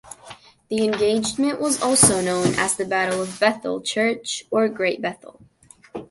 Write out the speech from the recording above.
The engagement was also known as the Battle of Bethel Church or Great Bethel.